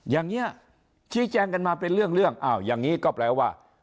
อย่างนี้ชี้แจงกันมาเป็นเรื่องอ้าวอย่างนี้ก็แปลว่า